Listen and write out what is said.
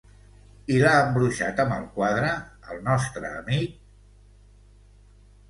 I l'ha embruixat amb el quadre, el nostre amic...